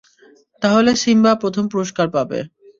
তাহলে সিম্বা প্রথম পুরষ্কার পাবে।